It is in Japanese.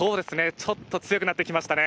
ちょっと強くなってきましたね。